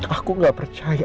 aku gak percaya